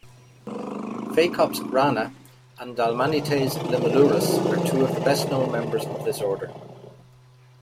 "Phacops rana" and "Dalmanites limulurus" are two of the best-known members of this order.